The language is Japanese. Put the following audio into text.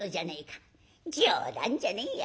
冗談じゃねえや。